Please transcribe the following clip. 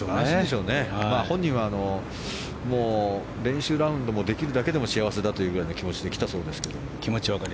本人は練習ラウンドをできるだけでも幸せだというぐらいの気持ちで来たそうですけれども。